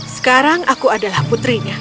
sekarang aku adalah putrinya